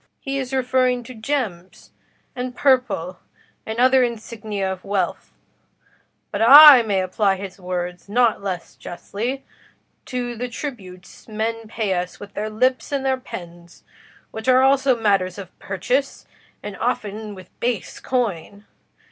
"He is referring to gems, and purple, and other insignia of wealth; but I may apply his words not less justly to the tributes men pay us with their lips and their pens, which are also matters of purchase, and often with base coin.